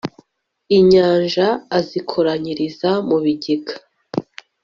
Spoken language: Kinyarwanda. inyanja azikoranyiriza mu bigega